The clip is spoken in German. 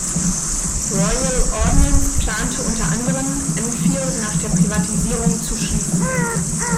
Royal Ordnance plante unter anderem, Enfield nach der Privatisierung zu schließen.